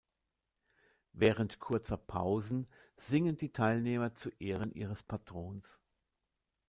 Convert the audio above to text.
Während kurzer Pausen singen die Teilnehmer zu Ehren ihres Patrons.